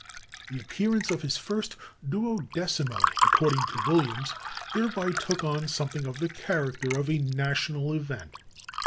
The appearance of his first duodecimo, according to Williams, thereby took on something of the character of a national event.